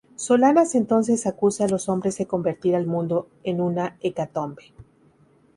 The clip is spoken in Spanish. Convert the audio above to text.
Solanas entonces acusa a los hombres de convertir al mundo en una hecatombe.